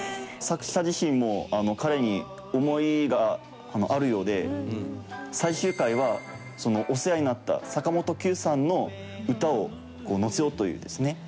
颯喜君：作者自身も彼に思いがあるようで最終回は、お世話になった坂本九さんの歌を載せようというですね。